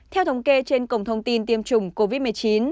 theo thống kê trên cổng thông tin tiêm chủng covid một mươi chín